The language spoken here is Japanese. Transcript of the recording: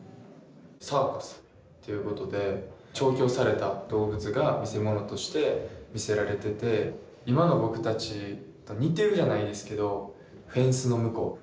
サーカスっていうことで調教された動物が見せ物として見せられてて今の僕たちと似てるじゃないですけどフェンスの向こう。